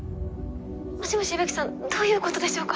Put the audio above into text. もしもし矢吹さんどういうことでしょうか。